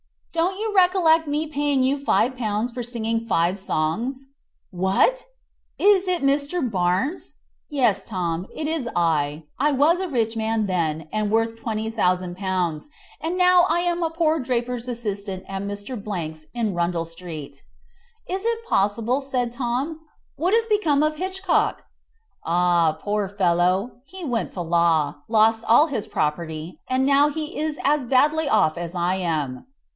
"Don't you recollect me paying you five pounds for singing five songs." "What! Is it Mr. Barnes?" "Yes, Tom; it is I. I was a rich man then, and worth twenty thousand pounds, and now I am a poor draper's assistant at Mr. 's, in Rundle street." "Is it possible?" said Tom; "What has become of Hitchcock?" "Ah, poor fellow; he went to law, lost all his property, and now he is as badly off as I am."